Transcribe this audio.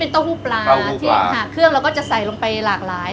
เป็นโต๊ะหู้ปลาโต๊ะหู้ปลาที่ฮะเครื่องเราก็จะใส่ลงไปหลากหลาย